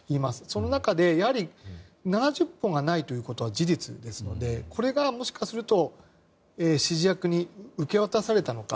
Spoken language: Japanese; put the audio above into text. その中で、７０本がないということは事実ですのでこれがもしかすると指示役に受け渡されたのか。